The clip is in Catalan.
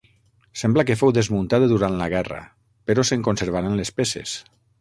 Sembla que fou desmuntada durant la guerra però se'n conservaren les peces.